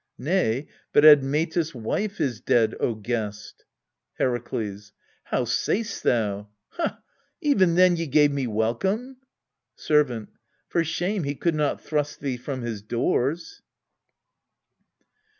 Nay, but Admetus' wife is dead, O guest! Herakles. How sayst thou? Ha! even then ye gave me welcome? Servant. For shame he could not thrust thee from his doors.